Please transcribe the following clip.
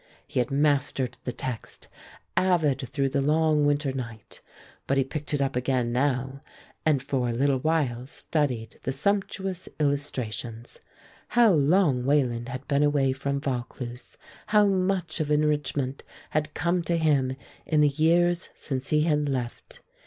He had mastered the text, avid through the long winter night, but he picked it up again now, and for a little while studied the sumptuous illustrations. How long Wayland had been away from Vaucluse, how much of enrichment had come to him in the years since he had left!